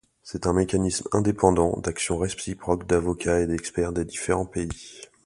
C'est un mécanisme indépendant d'action réciproque d'avocats et d'experts des différents pays.